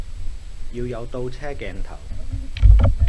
要有倒車鏡頭